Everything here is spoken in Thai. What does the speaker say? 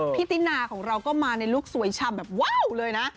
ตินาของเราก็มาในลูกสวยชำแบบว้าวเลยนะ